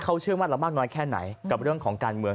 เขาเชื่อมั่นเรามากน้อยแค่ไหนกับเรื่องของการเมือง